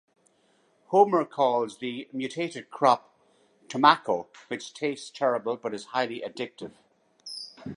Homer calls the mutated crop "Tomacco," which tastes terrible, but is highly addictive.